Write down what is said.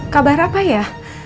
kabar apa ya